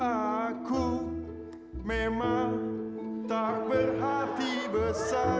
aku memang tak berhati besar